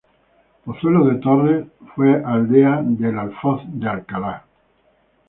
Pozuelo de Torres, fue aldea del alfoz de Alcalá.